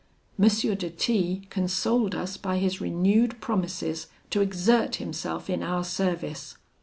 M. de T consoled us by his renewed promises to exert himself in our service.